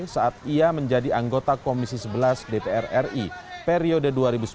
saat ia menjadi anggota komisi sebelas dpr ri periode dua ribu sembilan belas dua ribu dua